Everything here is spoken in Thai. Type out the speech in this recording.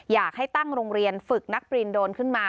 อยากให้ตั้งโรงเรียนฝึกนักปรีนโดรนขึ้นมา